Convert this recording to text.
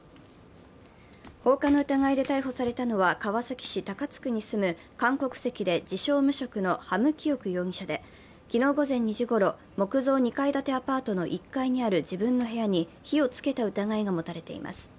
放火の疑いで逮捕されたのは川崎市高津区に住む韓国籍で自称・無職のハム・キオク容疑者で、昨日午前２時ごろ、木造２階建てアパートの１階にある自分の部屋に火をつけた疑いがもたれています。